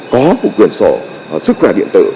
có một quyền sổ sức khỏe điện tử